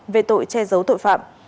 về tội che giấu tội phạm